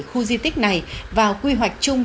khu di tích này vào quy hoạch chung